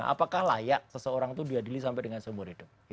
apakah layak seseorang itu diadili sampai dengan seumur hidup